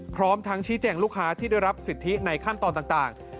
พร้อมทั้งชี้แจงลูกค้าที่ได้รับสิทธิในขั้นตอนต่าง